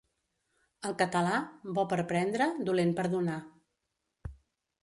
El català, bo per prendre, dolent per donar.